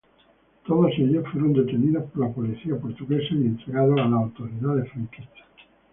Todos ellos fueron detenidos por la policía portuguesa y entregados a las autoridades franquistas.